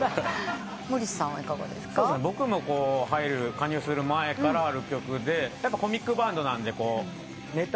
加入する前からある曲でコミックバンドなんでネタ。